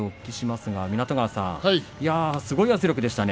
すごい圧力でしたね。